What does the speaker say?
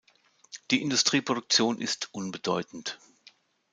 Die Industrieproduktion ist unbedeutend.